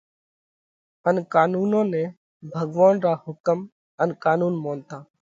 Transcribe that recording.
ان قانونون نئہ ڀڳوونَ را حُڪم ان قانُون مونتا